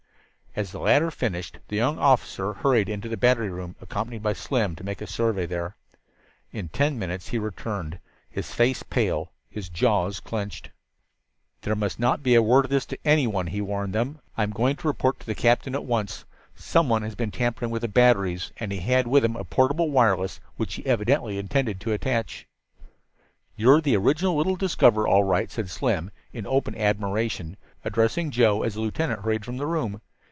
As the latter finished, the young officer hurried into the battery room, accompanied by Slim, to make a survey there. In ten minutes he returned, his face pale, his jaws clenched. "There must not be a word of this to anyone," he warned them. "I am going to report to the captain at once. Someone has been tampering with the batteries, and he had with him a portable wireless which he evidently intended to attach." "You're the original little discoverer, all right," said Slim in open admiration, addressing Joe as the lieutenant hurried from the room.